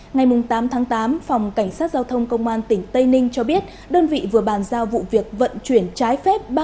ngày tám tháng tám phòng cảnh sát giao thông công an tỉnh tây ninh cho biết đơn vị vừa bàn giao vụ việc vận chuyển trái phép